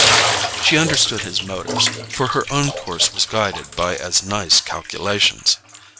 She understood his motives, for her own course was guided by as nice calculations.